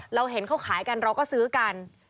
เราเห็นเขาขายกันเราก็ซื้อกัน